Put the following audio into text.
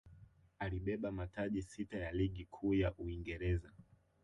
alibeba mataji sita ya ligi kuu ya Uingereza